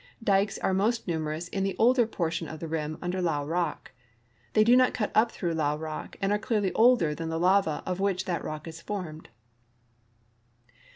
Dikes are most numerous in the older portion of the rim under Llao rock. They do not cut up through Llao rock and are clearly older than the lava of which that rock is formed.